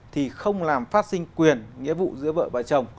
thì không làm phát sinh quyền nghĩa vụ giữa vợ và chồng